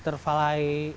tapi masih ada di sini